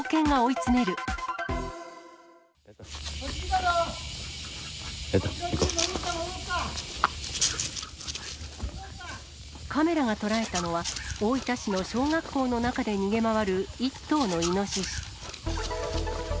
向こう行っカメラが捉えたのは、大分市の小学校の中で逃げ回る１頭のイノシシ。